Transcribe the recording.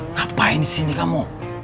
ngapain di sini kamu